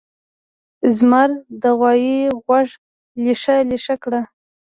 زمر د غوایه غوږه لېشه لېشه کړه.